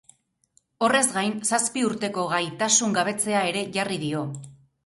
Horrez gain, zazpi urteko gaitasungabetzea ere jarri dio.